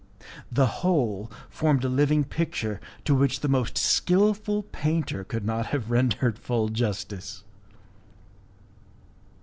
The whole formed a living picture to which the most skilful painter could not have rendered full justice.